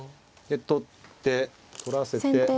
取って取らせて。